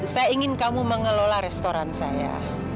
saya ingin kamu mengelola restoran saya